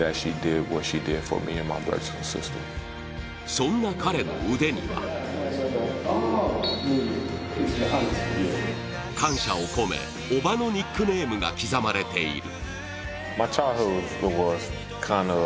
そんな彼の腕には感謝を込め、叔母のニックネームが刻まれている。